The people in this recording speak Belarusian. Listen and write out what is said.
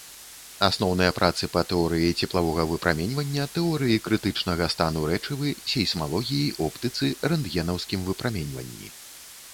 Асноўныя працы па тэорыі цеплавога выпраменьвання, тэорыі крытычнага стану рэчывы, сейсмалогіі, оптыцы, рэнтгенаўскім выпраменьванні.